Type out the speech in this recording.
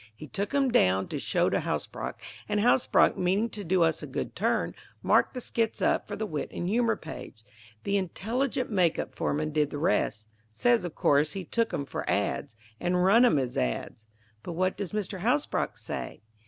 He took 'em down to show to Hasbrouck, and Hasbrouck, meaning to do us a good turn, marked the skits up for the 'Wit and Humor' page. The intelligent make up foreman did the rest: says of course he took 'em for ads. and run 'em as ads." "But what does Mr. Hasbrouck say?"